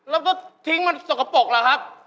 แล้วก็ทิ้งมันสกปรกเหรอครับ